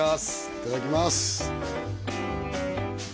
いただきます